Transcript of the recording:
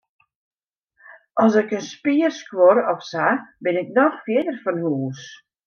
As ik in spier skuor of sa, bin ik noch fierder fan hûs.